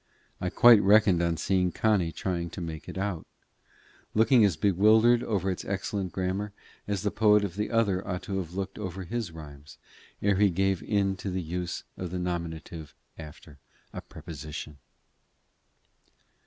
I quite reckoned on seeing Connie trying to make it out, looking as bewildered over its excellent grammar, as the poet of the other ought to have looked over his rhymes, ere he gave in to the use of the nominative after a preposition.